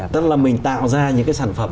tức là mình tạo ra những cái sản phẩm